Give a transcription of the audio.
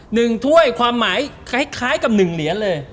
ถ้วยความหมายคล้ายกับหนึ่งเหรียญเลย